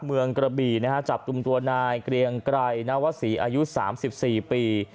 เมืองกระบีนะฮะจับตุ่มตัวนายเกลียงไกรนาวะศรีอายุสามสิบสี่ปี